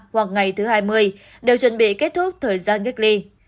hoặc ngày thứ hai mươi đều chuẩn bị kết thúc thời gian cách ly